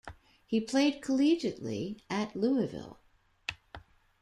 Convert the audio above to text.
He played collegiately at Louisville.